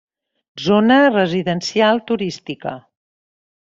Zona residencial turística.